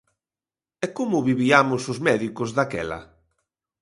¿E como viviamos os médicos daquela?